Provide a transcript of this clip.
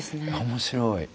面白い。